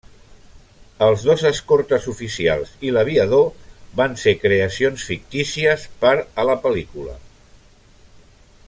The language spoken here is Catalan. Els dos escortes oficials i l'aviador van ser creacions fictícies per a la pel·lícula.